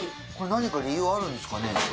何か理由はあるんですかね？